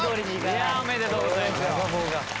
いやあ！おめでとうございます。